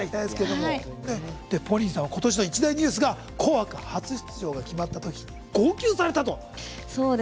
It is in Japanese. ＰＯＲＩＮさんは今年の一大ニュースが「紅白」初出場が決まったとき号泣されたと。